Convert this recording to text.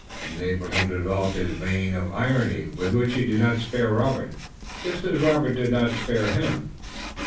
It enabled him to develop his vein of irony, with which he did not spare Robert, just as Robert did not spare him.